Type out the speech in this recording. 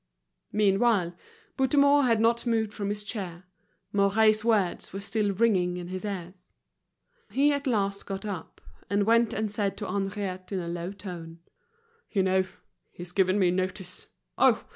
Meanwhile, Bouthemont had not moved from his chair, Mouret's words were still ringing in his ears. He at last got up, and went and said to Henriette in a low tone: "You know, he's given me notice; oh!